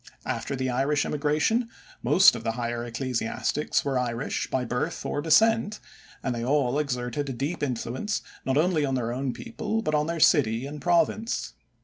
After the Irish immigration most of the higher ecclesiastics were Irish by birth or descent, and they all exerted a deep influence not only on their own people but on their city and province.